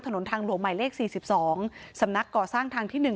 ถนนทางหลวงหมายเลข๔๒สำนักก่อสร้างทางที่๑